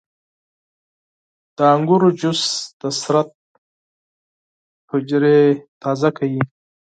• د انګورو جوس د بدن حجرې تازه کوي.